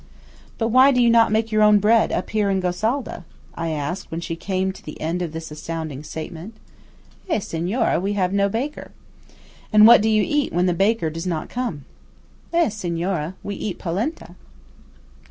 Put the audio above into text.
"But why do you not make your own bread up here in Gosalda?" I asked, when she came to the end of this astounding statement. "Eh, Signora, we have no baker." "And what do you eat when the baker does not come?" "Eh, Signora–we eat polenta."